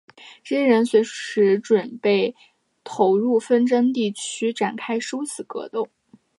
这些人随时准备投入纷争地区展开殊死格斗。